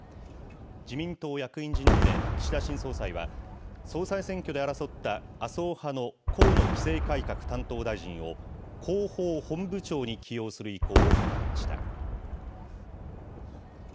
自民党役員人事で岸田新総裁は、総裁選挙で争った麻生派の河野規制改革担当大臣を、広報本部長に起用する意向を固めました。